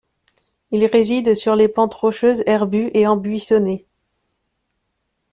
Il réside sur les pentes rocheuses herbues et embuissonnées.